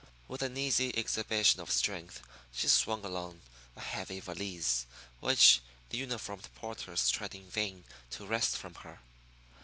With an easy exhibition of strength she swung along a heavy valise, which the uniformed porters tried in vain to wrest from her.